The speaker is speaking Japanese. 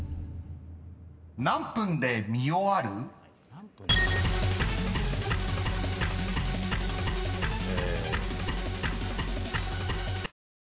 ［何分で見終わる？］え。